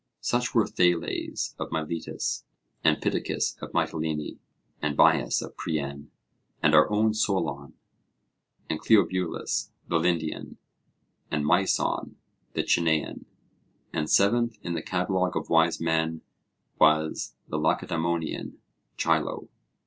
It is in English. Such were Thales of Miletus, and Pittacus of Mitylene, and Bias of Priene, and our own Solon, and Cleobulus the Lindian, and Myson the Chenian; and seventh in the catalogue of wise men was the Lacedaemonian Chilo.